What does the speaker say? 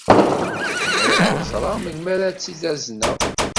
Bɣiɣ ad ẓreɣ melmi ara tt-id-tazneḍ.